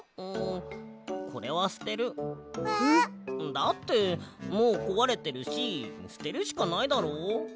だってもうこわれてるしすてるしかないだろう？